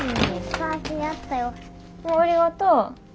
ありがとう。